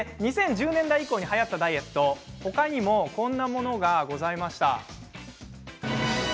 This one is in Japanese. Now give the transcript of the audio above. ２０１０年代以降にはやったダイエット他にもこんなものがございました。